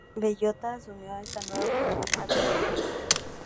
Bellota asumió esta nueva función ad honorem.